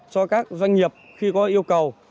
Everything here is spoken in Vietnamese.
cho các doanh nghiệp khi có yêu cầu